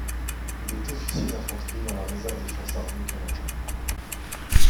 Il est officier d'infanterie dans la réserve des Forces armées canadiennes.